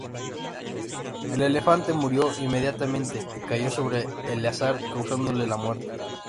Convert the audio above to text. El elefante murió inmediatamente y cayó sobre Eleazar, causándole la muerte.